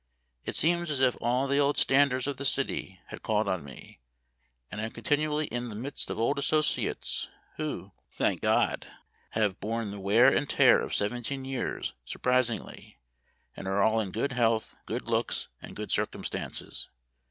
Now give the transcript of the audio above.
It seems as if all the old standers of the city had called on me ; and I am continually in the midst of old associates who, thank God ! have borne the wear and tear of seventeen years sur prisingly, and are all in good health, good looks, and good circumstances.